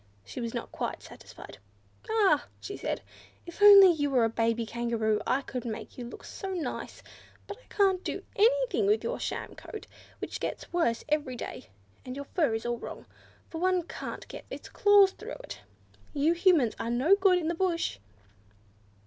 She was not quite satisfied. "Ah!" she said, "if only you were a baby Kangaroo I could make you look so nice! But I can't do anything to your sham coat, which gets worse every day, and your fur is all wrong, for one can't get one's claws through it. You Humans are no good in the bush!"